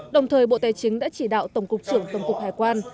đồng thời bộ tài chính đã chỉ đạo tổng cục trưởng tổng cục hải quan